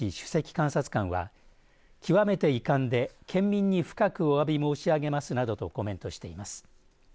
監察官は極めて遺憾で県民に深くおわび申し上げますなどとコメントしています。